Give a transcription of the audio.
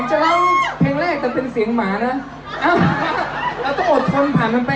ฉันรู้ว่าผิดตามไม่คิดจะตากใจ